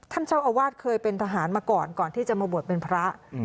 ท่านเจ้าอาวาสเคยเป็นทหารมาก่อนก่อนที่จะมาบวชเป็นพระ